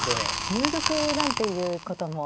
入玉なんていうことも。